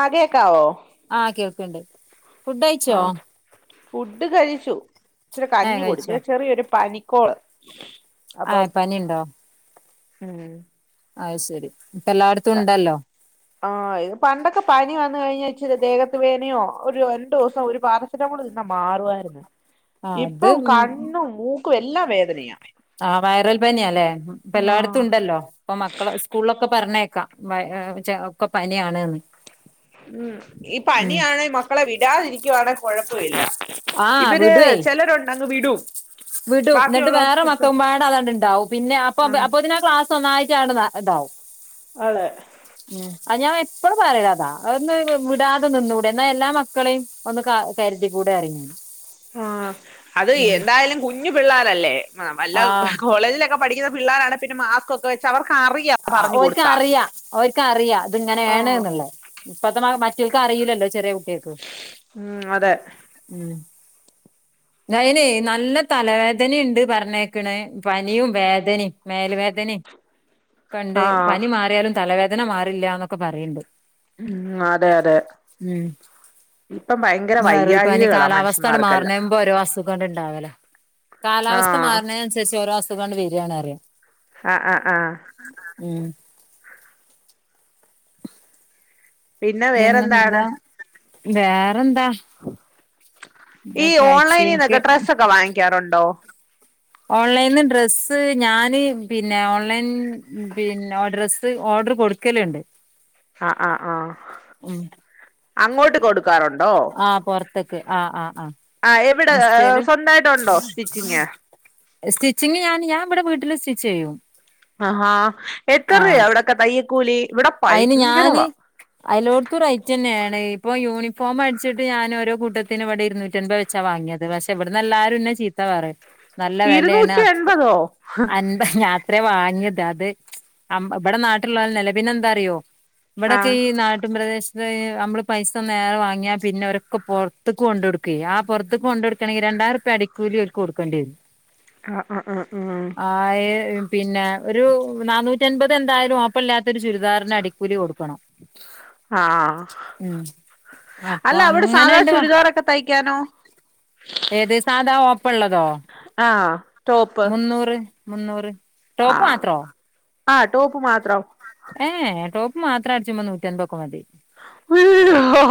ആഹ് കേക്കാവോ? ആഹ് കേൾക്കണ്ട് ആഹ് ഫുഡ് കഴിച്ചു ഇച്ചിരി ഏഹ് കഞ് കഴിച്ചോ കുടിച്ച ചെറിയൊരു പനിക്കോള് അപ്പൊ ആഹ് പനിണ്ടോ ഹം അയ്ശെരി ഇപ്പ എല്ലായിടത്തും ഉണ്ടല്ലോ ആഹ് ത് പണ്ടൊക്കെ പനി വന്ന കഴിഞ്ഞാൽ ഇച്ചിരി ദേഹത്ത് വേനയോ ഒരു രണ്ടു ദിവസം ഒരു പാറം കന്ന മാറുവായിരുന്നു ആഹ് അത് ഇപ്പം ഉം കണ്ണും മൂക്കും എല്ലാം വേദനയാ ആഹ് വയറൽ പനിയല്ലേ പല്ലടത്തും ആഹ് ഉണ്ടല്ലോ ഇപ്പൊ മക്കള സ്കൂളൊക്കെ പറഞ്ഞേക്കാം ഒക്കെ പനിയ ആാണ്ന്ന് ഉം ഈ പണിയാണെങ്കിൽ മക്കളെ വിടാതിരിക്കുവാണെങ്ക കൊഴപ്പമില്ല ആഹ് ഇവര് വിടുവേ ചിലരുണ്ട് അങ്ങ് വിടും വിടും എന്നിട്ട് ബാക്കിയുള്ളവർക്ക് വേറെ മക്ക പിടിച്ചോട്ടെ മുമ്പാടെ അതാണ്ട്ണ്ടാവും പിന്നെ അപ്പൊ ആഹ് അപ്പൊ ഇതിന ക്ലാസ് ഒന്നായിട്ടവിടെ ഇതാവും ആളെ ഉം അത് ഞാൻ എപ്പഴും പറയന്നതാ ഒന്ന് വിടാതെ നിന്നുകൂടെ എന്നാ എല്ലാം മക്കളെയും ഒന്ന് കരുതി കൂടെ അറയും ഞൻ ആഹ് അത് എന്തായാലും കുഞ്ഞു പിള്ളാരല്ലേ വല്ല ആഹ് കോളേജിലൊക്കെ പഠിക്കുന്ന പിള്ളോരാണ് പിന്നെ മാസ്ക് ഒക്കെ വെച്ച് അവർക്ക് അറിയാ പറഞ്ഞു കൊടുത്താ അവർക്കറിയാം അത് ഇങ്ങനെയാണ് ആഹ് എന്നുള്ളത് ഇപ്പത്തെ മറ്റൾക്ക് അറിയില്ലല്ലോ ചെറിയ കുട്ടികക്ക് ഉം അതെ ഉം അൈന നല്ല തലവേദനയുണ്ട് പറഞ്ഞേക്കണ പനിയും വേദനയും മേൽ വേദനയും കണ്ട് ആഹ് പനി മാറിയാലും തലവേദന മാറില്ല എന്നൊക്കെ പറയണ്ട് ഉം അതെ അതെ ഉം ഇപ്പം ഭയങ്കര വൈറൽ പനി വൈകാഴകകളാ കാലാവസ്ഥ മനുഷ്യന്മാർക്കല്ല മാറുന്നേമ്പോ ഓരോ അസുഖണ്ട് ഇണ്ടാവല കാലാവസ്ഥ ആഹ് മാറുന്ന അനുസരിച്ച് ഓരോ അസുഖംണ്ട് വരുകണ അറിയാം ആഹ് ആഹ് ആഹ് ഉം പിന്നെ വേറെന്താണ് പിന്നെന്താ വേറെന്താ ഈ ഇതൊക്കെ ഓൺലൈനിന്നൊക്കെ അയച്ചീനിക്ക് ഡ്രെസ്സൊക്കെ വാങ്ങിക്കാറുണ്ടോ ഓൺലൈനിന്ന് ഡ്രസ്സ് ഞാന് പിന്നെ ഓൺലൈൻ പിന്നെഓഡ്രസ്സ് ഓഡർ കൊടുക്കലണ്ട് ആഹ് ആഹ് ആഹ് അങ്ങോട്ട് കൊടുക്കാറുണ്ടോ ആഹ് പുറത്തേക്ക് ആഹ് ആഹ് ആഹ് ആ എവിടെ സ്വന്തമായിട്ടുണ്ടോ സ്റ്റിച്ചിങ് സ്റ്റിച്ചിങ് ഞാൻ ഞാൻ ഇവിടെ വീട്ടിൽ സ്റ്റി ചെയ്യും ആഹാ ആ എത്തറുയാ അവിടെക്കെ തയ്യക്കൂലി ഇവിടെ അയിന് ഞാന് ഭയങ്കരവാ അതിലോടത്ത് റൈറ്റ് തന്നെയാണ് ഇപ്പൊ യൂണിഫോം അടിച്ചിട്ട്ഞാൻ ഓരോ കൂട്ടത്തിനവിടെരുന്നൂറ്റമ്പത് ചച്ച വാങ്ങിയത് പക്ഷെ ഇവിടുന്ന് എല്ലാരുംന്നെ ചീത്ത പറയും നല്ല വിലയാണ് ഇരുന്നൂറ്റി എൺപതോ അത്രയേ വാങ്ങിയത് തത് ആം ഇവിടെ നാട്ടിലുള്ള നില പിന്നെ എന്താ അറിയോ ഇവിടെക്കെ ആഹ് ഈ നാട്ടും പ്രദേശം ഈ നമ്മള് പൈസ നേരെ വാങ്ങിയാ പിന്നെരൊക്കെ പുറത്തേക്ക് കൊണ്ട കൊടുക്ക ആ പുറത്തക്ക് കൊണ്ട് കൊടുക്കണെങ്കിൽ രണ്ടായിരം പടിക്കൂലി ഓർക്കു കൊടുക്കേണ്ടിരു ആഹ് ആഹ് ആഹ് ആഹ് ഏ പിന്നെ ഒരു നന്നൂറ്റി അൻപത് എന്തായാലും ഓപ്പണില്ലാത്ത ഒരു ചുരിദാർ അടി ക്കൂലി കൊടുക്കണം ആഹ് ഉം അപ്പൊ അല്ല അവിടെ സാധാ അങ്ങനെണ്ട് വാ ചുരിതാർ ഒക്കെ തയ്ക്കാനോ ഏത് സാധാ ഓപ്പ് ഉള്ളതോ ആഹ് ടോപ്പ് മുന്നൂറ് മുന്നൂറ് ടോപ്പ് ആഹ് മാത്രോ ആഹ് ടോപ്പ് മാത്രം ഏഹ ടോപ്പ് മാത്രം അടിച്ചും നൂറ്റി അൻപോക്ക മതി അയ്യോ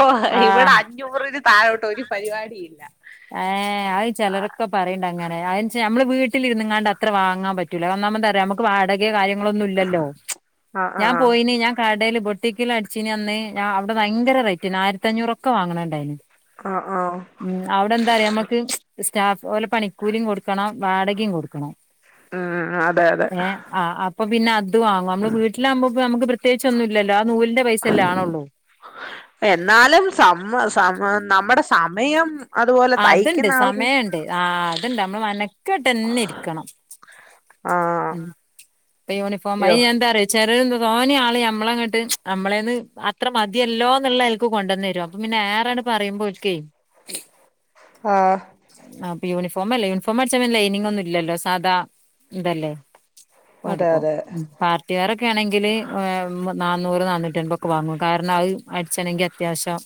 ഇവിടെ ആഹ് അഞ്ഞൂറിന് താഴോട്ടോ ഒരു പരിപാടിയില്ല ഹേ അയ് ചെലരൊക്കെ പറയേണ്ട അങ്ങനെ അത് ചെ നമ്മള് വീട്ടിൽലിരുന്ന്ങ്ങാണ്ട് അത്ര വാങ്ങാൻ പറ്റില്ല ഒന്നാമത്അറിയാം നമക്ക് വാടകയോകാര്യങ്ങളൊന്നും ഇല്ലലോ ആഹ് ഞാൻ ആഹ് പോയിന് കടയിൽ ബൊട്ടിക്കൽ അടിച്ചിന അന്ന് അവിടെ ഭയങ്കര റെയ്റ്റ് റ്റ ആയിരത്തി അഞ്ഞൂറൊക്കെ വാങ്ങണണ്ടായിന് ആഹ് ആഹ് അവിടെ എന്താറിയാ നമ്മുക്ക് സ്റ്റാഫ് ക ഓലെ പണിക്കൂലിയും കൊടുക്കണം വാടകയും കൊടുക്കണം ആഹ് അതെ അതെ ആഹ് അപ്പ പിന്നെ അത് വാങ്ങ നമ്മ വീട്ടിലകുമ്പ നമുക്ക് പ്രത്യേകിച്ച ഒന്നും ഇല്ലോ ആ നൂലിന്റെ പൈസ എല്ലാ അ കണുള്ളു എന്നാലും സമ്മ സമ്മ് നമ്മുടെ സമയം അതുപോലെ അതുണ്ട് തയ്ക്കുന്ന ആ ഒരു സമയമുണ്ട് ആ അതുണ്ട് നമ്മള് മനക്കട്ട് തന്നെ ഇരിക്കണം ആഹ് ഉം യൂണിഫോമ അയ്യോ അയി അന്താ അറിയോ ചെറിയ എന്ത തോന്നിയ ആള് നമ്മള അങ്ങോട്ട് നമ്മളേന്ന് അത്ര മതിയല്ലോന്നുള്ള അൽക്ക് കൊണ്ടുവന്ന വരു പിന്നെ ആരാണ് പറയുമ്പോ ഒരിക്കെ ആഹ് ആ അപ്പൊ യൂണിഫോം അല്ലേ യൂണഫോം അടിച്ചല് ലൈനിങ്ഒന്നും ഇല്ലല്ലോ സാധാ ഇതല്ലേ അതെ എടുക്കോ അതെ പാർട്ടി വെയർ ഒക്കെ ആണെങ്കില് നാന്നൂറ് നാന്നൂറ്റി അമ്പതൊക്കെ വാങ്ങും കാരണം അടിച്ചണെങ്കിൽ അത്യാവശ്യം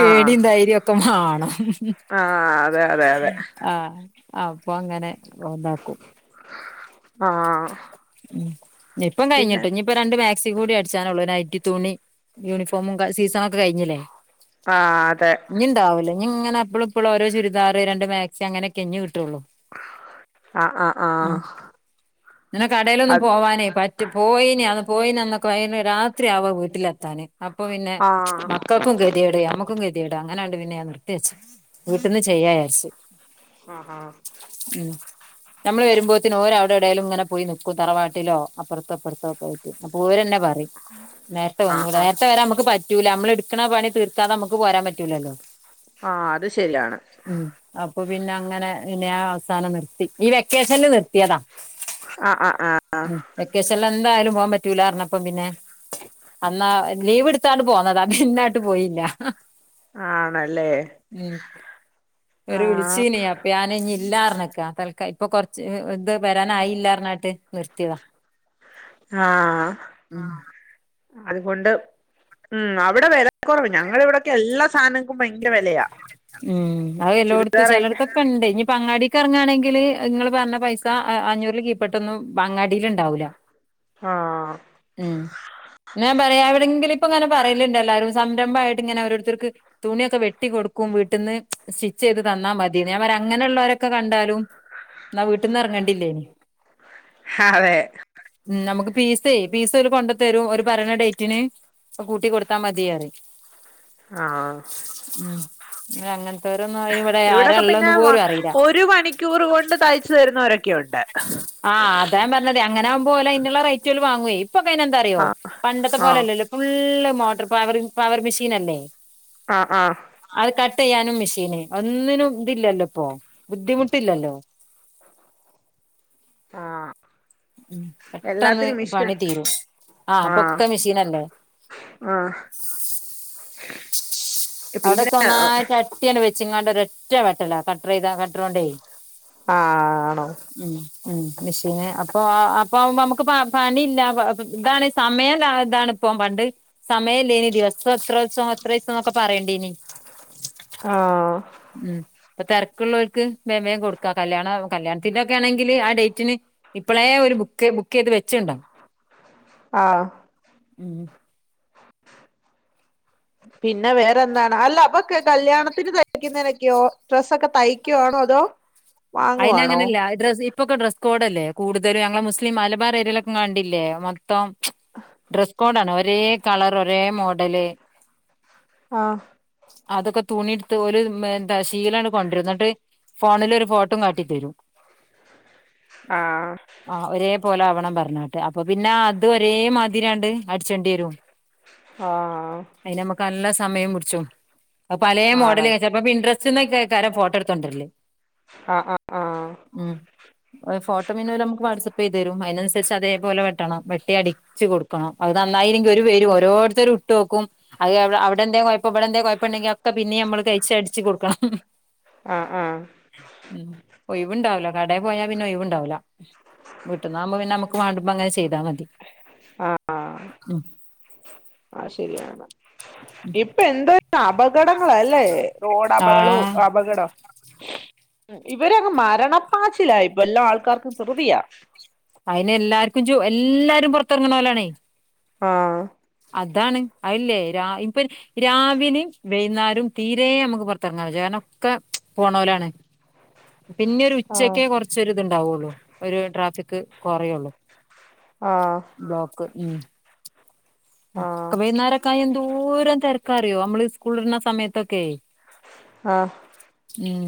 ആഹ് ധൈര്യം ഒക്കെ ആണംമഹ് ഹ് ആഹ് അതെ അതെ അതെ ആഹ് ആഹ് അപ്പൊ അങ്ങനെ ഉണ്ടാക്കും ആഹ് ഉം ഇപ്പം പിന്നെ കഴിഞ്ഞിട്ട് ഇനി ഇപ്പൊ രണ്ട് മാക്സി കൂടി അടിച്ചാനുള്ളൂ നയിറ്റിതുണി യൂണിഫോമും സീസണൊക്കെ കഴിഞ്ഞില്ലേ ആഹ് അതെ ഇനി ഉണ്ടാവില്ല ഇനി ഇങ്ങനെ എപ്പ എപ്പോളോ ഓരോ ചുരിദാർ രണ്ട് മാക്സി അങ്ങനെക്കെ ഇനി കിട്ടതുള്ളു ആഹ് ആഹ് ആഹ് ഇന്നലെകടേലൊന്നും അത് പോവാനേ പ പോയിന് അ പോയിനന്നൊക്കെ രാത്രി ആവാ വീട്ടിലെത്താന് അപ്പൊ പിന്നെ മ ആഹ് മക്കക്കും കെതേട് ന മ്മക്കും കെതിടാ അങ്ങനെയണ്ട് പിന്നെഞാൻ നിർത്തിവച്ച് വീട്ട് ന്ന് ചെയ്യായാ ര് ച്‌ ആഹാ ഉം നമ്മള് വരുമ്പോത്തിന് ഓലെ അവട വെടെലും ഇങ്ങനെപോയി നിക്കും തറവാട്ടിലോ അപ്പർത്തോഇപ്പർത്തോ ക്കെയായിട്ട് അപ്പോ ഓരന്നെ പറയും നേരത്തെ ആഹ് വന്നൂട ആഹ് നേരത്തെ വരെ നമുക്ക് പറ്റൂല നമ്മള് ഇട് ക്ക്ണ പണി തീർക്കാതെ നമുക്ക് പോരാൻ പറ്റൂല്ലല്ലോ ആഹ് അത് ശരിയാണ് അപ്പൊ പിന്നെ അങ്ങനെ ഇന്നെ അവസാനം നിർത്തി ഈ വെക്കേഷനിൽ നിർത്തിയതാ ആഹ് ആഹ് ആഹ് ഉം വെക്കേഷൻ ല് എന്തായാലും പോകാൻ പറ്റൂല റ്ഞ്ഞപ്പം പിന്നെ അന്നാ ലീവ് ഇട്ത്തങ്ങാ ണ്ട് പോന്നതാ പിന്നെ ആട്ട് പോയില്ല ആണല്ലേ ഉം ഒരു ആഹ് വിളിച്ചീനിയാ പ്യാന ഇല്ലാർഞ്ഞക്ക തൽക്ക ഇപ്പൊ കുറച്ച് ഇത് വരാനായില്ലാറ്ഞ്ഞട്ട് നിർത്തിയതാ ആഹ് അതുകൊണ്ട് ഉം അവിടെ വല കൊറവ് ഞങ്ങള ഇവിടെക്കെ എല്ലാ സാനങ്ങൾക്കും ഭയങ്കര വലയാ ഉം അഎല്ലോട് ത്തു ചെലോട്തൊ കൊണ്ട് ഇനി അങ്ങാടിക്ക് അറങ്ങാണെങ്കില് നിങ്ങള് പറഞ്ഞ പൈസ അഞ്ഞൂറിൽ കീപ്പെട്ടൊന്നും അങ്ങാടിൽ ഇണ്ടാവൂല ആഹ് ഉം ഞാൻ പറയാ എവിടെങ്കിലുപ്പോ ഇങ്ങനെ പറയിലുണ്ട് അല്ലാരും സംരംഭായിട്ട് ഇങ്ങനെഓരോര് ത്തർക്ക് തുണിയൊക്കെ വെട്ടികൊടുക്കും ക്കും വീട്ടിന്ന് സ്റ്റിച്ച് ചെയ്ത് തന്നാ മതി ഞാൻ പര അങ്ങനെഉള്ളോരൊക്കെ കണ്ടാലും ഇന്നവീട്ട്ന്ന് എറങ്ങേണ്ടില്ലേയ് നി ഹാവേ നമുക്ക് പീസെ പീസ് ഓല് കൊണ്ട തരും ഓല് പറയണ ഡൈറ്റിന് ഇപ്പൊ കൂട്ടി കൊടുത്താ മതിയാറിം ആഹ് ഉം അങ്ങനത്തോരൊന്നും അയ് ന് വിടെ ഇവിടൊക്കെ ആരാള്ളോ പിന്നെ ന്ന് പോലും വ- അറിയില്ല ഒരു മണിക്കൂർ കൊണ്ട് തയ്ച്ചു തരുന്നവരൊക്കെയുണ്ട്. ആ അതാ പറഞ്ഞത് അങ്ങനെവുമ്പോ ഓലയ് ന്ന് ള്ള റൈറ്റ് ഓല് വാങ്ങുവേ ഇപ്പൊക്കെ അയ്ന് എന്താ അറിയോ ആഹ് പണ്ടത്തെ ആഹ് പോലെല്ലല്ലോ ഫുള്ള് മോട്ടർ പവർ പവർ മിഷീനല്ലേ ആ ആഹ് അത് കട്ട് യ്യാനും മിഷീന് ഒന്നിനും ഇതില്ലല്ലോ ഇപ്പോ ബുദ്ധിമുട്ടില്ലല്ലോ ആഹ് ഉം പെട്ടെന്ന് എല്ലാത്തിനും മിഷൻ പണി തീരും ആ ആഹ് പൊക്കെ മിഷീനല്ലേ ആഹ് പിന്നെ അവിടൊക്കെ ആഹ് ഒന്നായിറ്റ അ ട്ടിഅണ്ട് വെച്ച് ങ്ങാണ്ട് ഒര റ്റ വെട്ടല കട്ട റൈത കട്ടറൊന്റെ ആണോ ഉം മെഷീന് അപ്പൊ അപ്പൊ ആവുമ്പോ നമുക്ക് പണി ഇല്ല ഇതാണ് സമയംല്ല ഇതാണ് പോം പണ്ട് സമയല്ലേ നി ദിവസം എത്രോത്സവം എത്ര ഈസം എന്നൊക്കെ പറയേണ്ടേനി ആഹ് ഉം ഇപ്പൊ തരക്കുള്ളോ ൽക്ക് വേ വേ കൊടുക്കാ കല്യാണ കല്യാണത്തിന്റോ ക്കെണങ്കില് ആ ഡൈറ്റിന് ഇപ്പളേ ഒരു ബുക്ക് ബുക്കയ്ത് വെച്ച് ണ്ടാവും ആഹ് ഉം പിന്നെ വേറെന്താണ് അല്ല അപ്പൊ കല്യാണത്തിന് തയ്ക്കുന്നതിനൊക്കെയോ ഡ്രസ്സ ഒക്കെ തയ് തയ്ക്യാണോ അതോ അയിന് വാങ്ങുവാണോ അങ്ങനല്ല ഡ്രസ് ഇപ്പൊക്കെ ഡ്രസ് കോഡ അല്ലേ കൂടുതല് ഞങ്ങള് മുസ്ലിം മലബാർ ഏരി യിലൊക്കെ കണ്ടില്ലേ മൊത്തം ഡ്രസ് കോഡ ആണ് ഒരേ കളർ ഒരേ മോഡല് ആഹ് അതൊക്കെ തുണി എടുത്ത് ഓല് എന്താ ശീലണ്ട് കൊണ്ടരും എന്നിട്ട് ഫോണിൽഒരു ഫോട്ടോ ഫോട്ടോ കാട്ടി തരും ആഹ ആ ഒരേ പോലെ ആവണം പറഞ്ഞാട്ട് അപ്പൊ പിന്നെ അത് ഒരേ മാതിരിയാണ്ട് അട്ച്ചണ്ടിരും ആഹ അയ്ന് നമ്മക്ക് നല്ല സമയം പുടിച്ചും അഹ് പലേ മോഡൽ ആണ് വെച്ച പ്പൊ പിന്ട്രെസ്റ്റന്നെക്കെക്കാരം ഫോട്ടോ എടുത്തു കൊണ്ടരൽ ആഹ ആഹ ആഹ് ഉം ഫോട്ടോ പിന്നെ ഓല് നമ്മക്ക് വാട്സആപ്പ് ചെയ്തു തരും അയി നനുസരിച്ച് അതേപോലെ വെട്ടണം വെട്ടിഅടി ച്ച് കൊടുക്കണം അത് നന്നായില്ലെങ്കിൽ ഓര് വരും ഓരോരുത്തരും ഇട്ടോക്കും അഹ് അവി അവിടെ എന്തേ കുഴപ്പം ഇവിടെന്തേ കുഴപ്പം ഉണ്ടങ്കി ഒക്കെ പിന്നെ നമ്മള് കഴിച്ച് അടിച്ച് കൊടുക്കണം ആഹ് ആഹ് ഒഴിവുണ്ടാവുല കടേ പോയാ പിന്നെ ഒഴിവുണ്ടാവുല്ല വീട്ടീന്നാകുമ്പോ പിന്നെ നമുക്ക് നമുക്ക് വാണ്ടുമ്പോ അങ്ങനെ ചെയ്താ മതി ആ അ ഉം അയ് ശരിയാണ് ഇപ്പൊ എന്തൊരു അപകടങ്ങളല്ലേ റോഡ് അപകളും ആഹ് അപകടം [unintelligible] ഇവരങ്ങ് മരണപ്പാച്ചില ഇപ്പ എല്ലാ ആൾക്കാർക്കും ദിർതിയ അയിന് എല്ലാർക്കും ജോ എല്ലാരും പുറത്തിറങ്ങണോരാണേ ആഹ് അതാണ് അതില്ലേ രാ ഇപ്പൊ രാവിലിം വൈന്നേരും തീരെ നമുക്ക് പുറത്തറങ്ങാ വജ്ജാ കാരണം ഒക്ക പോണോലാണ് പിന്നെ ഒരു ആഹ് ഉച്ചക്കേ കുറച്ചൊരി ഇത്ണ്ടാവുള്ളൂ ഒരു ട്രാഫിക് കുറയുള്ളു ആഹ ബ്ലോക്ക് ഉം ക്കെ ആഹ് വൈകുന്നേരക്കായ എന്തോരം തിരക്കാറിയോ നമ്മള് സ്കൂൾ വിടണ സമയത്തൊക്കെ ആഹ ഉം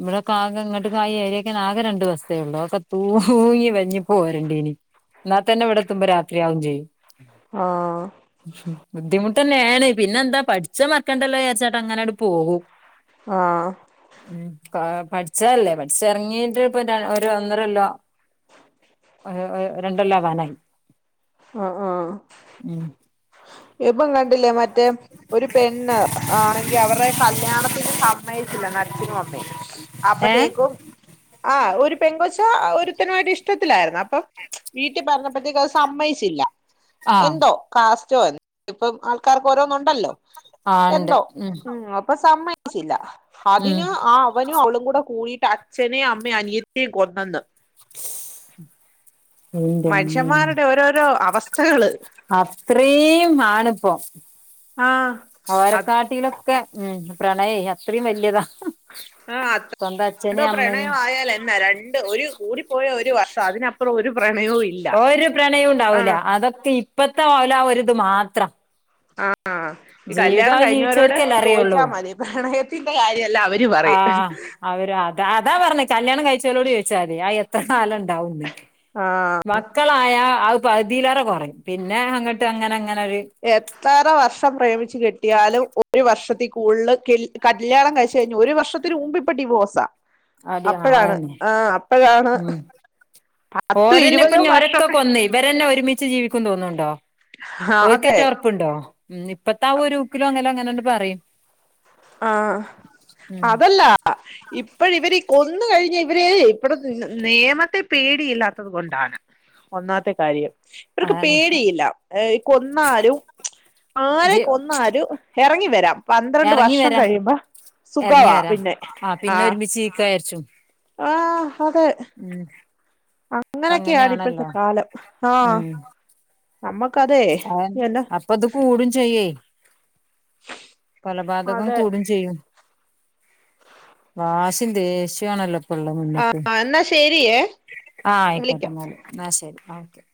ഇവിടെ കാക ഇങ്ങോട്ട് ആ ഏരിയക്കെ ആകെ രണ്ട് ബസ്സേ ഉള്ളു തൂങ്ങി വൽഞ് പോരണ്ടീനി എന്നാത്തന്നെ ഇവിടെ എത്തുമ്പോ രാത്രിയാകും ചെയ്യും ആ ബുദ്ധിമുട്ട്ന്നേണ് പിന്നെ എന്താ പഠിച്ചേ മറക്കണ്ടല്ലോ വിചാരിച്ചാണ്ട് അങ്ങനെ പോകും ആഹ് ഉം പഠിച്ചല്ലേ പഠിച്ച ഇറങ്ങീട്ട്പ്പൊ ഒരു ഒന്നരല്ലോ രണ്ടോലാവാനായി ആ ആ ഉം ഇപ്പം കണ്ടില്ലേ മറ്റേ ഒരു പെണ്ണ് ആണെങ്കി അവരുടെ കല്യാണത്തിന് സമ്മതിച്ചില്ല അച്ഛനും അമ്മേയും ഏഹ് അപ്പത്തേക്കും ആഹ ഒരു പെങ്കൊച് ഒരുത്തനുമായിട്ട് ഇഷ്ടത്തിലായിരുന്നു അപ്പം വീട്ടിൽ പറഞ്ഞപ്പോഴത്തേക്ക് അത് സമ്മയിച്ചില്ല ആഹ് എന്തോ കാസ്റ്റോ ഇപ്പം ആൾക്കാർക്ക് ഓരോന്നു ഉണ്ടല്ലോ ആ ഉണ്ട് എന്തോ ഉം അപ്പൊ സമ്മയി ചില്ല ഉം അതിന് ആ അവനും, അവളും. കൂടെ കൂടിട്ട് അച്ഛനേയും അമ്മയും അനിയത്തിയെയും കൊന്നെന്ന്. എന്റമ്മേ മനുഷ്യന്മാരുടെ ഓരോരോ അവസ്ഥകള് അത്രയും ആണ് ഇപ്പൊ ആഹ് ഓരെക്കാട്ടിലൊക്കെ ഉം പ്രണയെ അത്രയും വലിയതാ. ആ അത്രന്നെ എന്തോ പ്രണയം ആയാലെന്നാ രണ്ട് ഒരു കൂടിപ്പോയ ഒരു വർഷം അതിനപ് പ്പുറം ഒരു പ്രണയവും ഇല്ല ഒരു പ്രണയവും ആ ഉണ്ടാവൂല അതൊക്കെ ഇപ്പത്തെ ഓല ഒരിത് മാത്ര ആഹ് ആഹ് ഈ കല്യാണം കഴിഞ്ഞവരോട് ജീവിച്ചവർക്കല്ലേ അറിയുള്ളൂ ചോദിച്ചാൽ മതി പ്രണയത്തിന്റെ കാര്യവെല്ലാം അവര് പറയും ആഹ് അവര് അത് അതാ പറഞ്ഞെ കല്യാണം കഴിച്ചോലോട് ചോദിച്ചാ മതി ആ എത്ര കാലം ഉണ്ടാവൂന്ന് ആഹ് മക്കളായാൽ അത് പകുതിയിലേറെ കുറയും പിന്നെ അങ്ങോട്ട് അങ്ങനെ അങ്ങനെ ഒരു എത്ര വർഷം പ്രേമിച്ച് കെട്ടിയാലും ഒരു വർഷത്തി കൂടുതല് കി കല്യാണം കഴിച്ച് കഴിഞ്ഞാൽ ഒരു വർഷത്തിന് മുമ്പ് ഇപ്പം ഡിവോഴ്സാ അടി ആ അപ്പോഴാണ് അതെന്നെ ആഹ് അപ്പോഴാണ് പത്തും ഓരന്നെപ്പൊ ഇരുപതും ഓരൊക്കെ വർഷമൊക്കെ കൊന്ന് ഇവരന്നെ ഒരുമിച്ച് ജീവിക്കും തോന്നുന്നുണ്ടോ ആ, അതെ ഓരിക്കെന്നെ ഉറപ്പുണ്ടോ ഇപ്പത്തെ ആ ഒരു ഊക്കിലോ അങ്ങനെ അങ്ങനെങ്ങ് പറയും ആഹ് ഉം അതല്ല ഇപ്പം ഇവര് കൊന്ന് കഴിഞ്ഞാൽ ഇവരെ ഇപ്പം നിയമത്തെ പേടിയില്ലാത്തത് കൊണ്ടാണ്. ഒന്നാമത്തെ കാര്യം ഇവർക്ക് അതാണ് പേടിയില്ല കൊന്നാലും ആരെ ജ് കൊന്നാലും ഇറങ്ങി വരാം പന്ത്രണ്ട് വർ എറങ്ങി ഷം വരാ കഴിയുമ്പോ എറങ്ങി സുഖവാ വരാ പിന്നെ ആ ആഹ് [unintelligible] ആഹ് അതെ ഉം ഇപ്പ അങ്ങനൊക്കെയാണ് ഇപ്പോഴത്തെ അങ്ങനെയാണല്ലോ കാലം ആഹ് നമ്മുക്ക് അതെ അതന്നെ അപ്പൊ അത് കൂടും ചെയ്യേ കൊലപാതകം അതെ കൂടുകയും ചെയ്യും വാശിയും ദേഷ്യമാണല്ലോ പിള്ളേര് വന്ന്ക്ക് ആഹ് എന്നാ ശരിയേ ആഹ് ആയിക്കോട്ടെ വിളിക്കാം എന്നാൽ എന്ന ശരി ഓക്കെ.